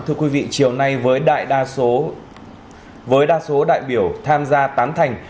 thưa quý vị chiều nay với đại đa số đại biểu tham gia tán thành